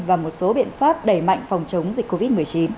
và một số biện pháp đẩy mạnh phòng chống dịch covid một mươi chín